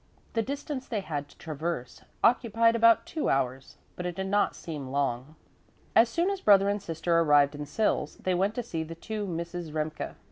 The distance they had to traverse occupied about two hours, but it did not seem long. As soon as brother and sister arrived in Sils, they went to see the two Misses Remke.